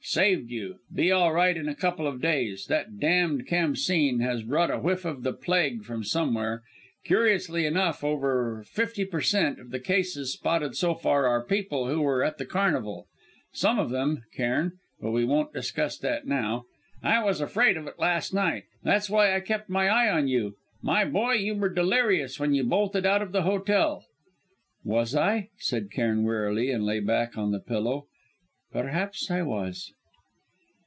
"Saved you. Be all right in a couple of days. That damned Khamsîn has brought a whiff of the plague from somewhere! Curiously enough, over fifty per cent. of the cases spotted so far are people who were at the carnival! Some of them, Cairn but we won't discuss that now. I was afraid of it, last night. That's why I kept my eye on you. My boy, you were delirious when you bolted out of the hotel!" "Was I?" said Cairn wearily, and lay back on the pillow. "Perhaps I was."